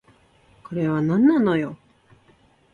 これはなんなのよ